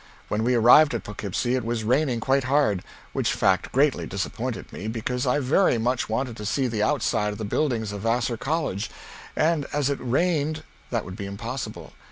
When we arived at Poughkeepsie it was raining quite hard; which fact greatly dissapointed me because I very much wanted to see the outside of the buildings of Vassar College and as it rained that would be impossible.